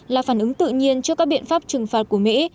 là phản ứng tự nhiên trước các biện pháp trừng phạt của mỹ